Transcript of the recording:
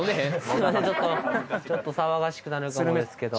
ちょっとちょっと騒がしくなるかもですけど